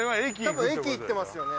たぶん駅行ってますよね。